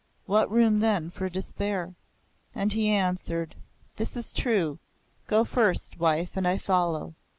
What room then for despair?" And he answered, "This is true. Go first, wife, and I follow.